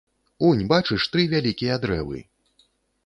Унь, бачыш тры вялікія дрэвы.